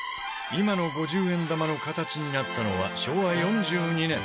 今の５０円玉の形になったのは昭和４２年。